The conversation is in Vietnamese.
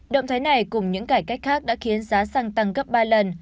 động thái này cùng những cải cách khác đã khiến giá xăng tăng gấp ba lần